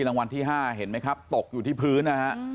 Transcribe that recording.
รางวัลที่๕เห็นไหมครับตกอยู่ที่พื้นนะฮะ